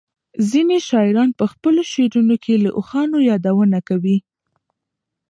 ځینې شاعران په خپلو شعرونو کې له اوښانو یادونه کوي.